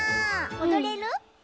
おどれる？